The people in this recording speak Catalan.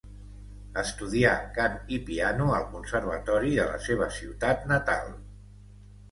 Estudià cant i piano al conservatori de la seva ciutat natal.